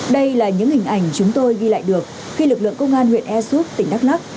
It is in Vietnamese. đây là những hình ảnh chúng tôi ghi lại được khi lực lượng công an huyện ea súp tỉnh đắk lắc